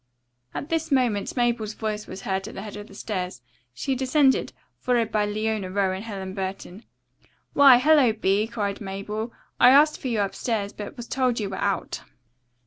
At this moment Mabel's voice was heard at the head of the stairs. She descended, followed by Leona Rowe and Helen Burton. "Why, hello, Bee!" cried Mabel. "I asked for you upstairs, but was told you were out."